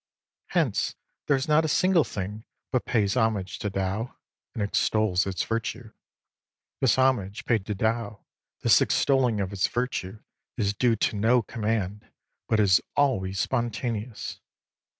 Hence there is not a single thing but pays homage to Tao and extols its Virtue. This homage paid to Tao, this extolling of its Virtue, is due to no command, but is always spontaneous.